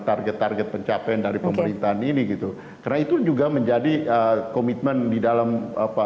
target target pencapaian dari pemerintahan ini gitu karena itu juga menjadi komitmen di dalam apa